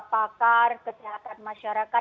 pakar kesehatan masyarakat